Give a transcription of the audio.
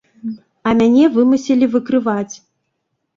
А мяне вымусілі выкрываць.